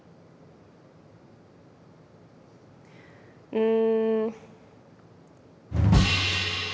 うん。